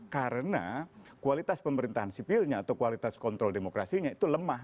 karena kualitas pemerintahan sipilnya atau kualitas kontrol demokrasinya itu lemah